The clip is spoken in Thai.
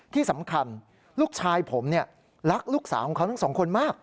ที่สำคัญลูกชายผมรักลูกสาวของเขาทั้งสองคนมาก